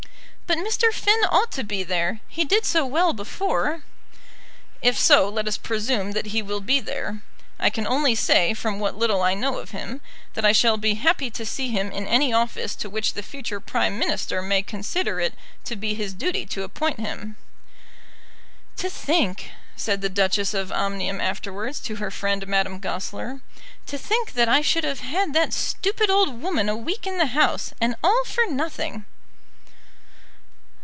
"But Mr. Finn ought to be there. He did so well before." "If so, let us presume that he will be there. I can only say, from what little I know of him, that I shall be happy to see him in any office to which the future Prime Minister may consider it to be his duty to appoint him." "To think," said the Duchess of Omnium afterwards to her friend Madame Goesler, "to think that I should have had that stupid old woman a week in the house, and all for nothing!"